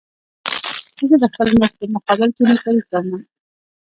زه د خپل مزد په مقابل کې نوکري کومه.